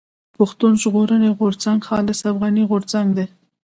پښتون ژغورني غورځنګ خالص افغاني غورځنګ دی.